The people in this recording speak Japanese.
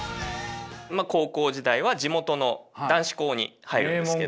高校時代は地元の男子校に入るんですけど。